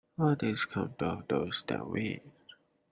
All things come to those that wait.